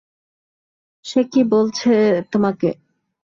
সে কী বলেছে তোমাকে?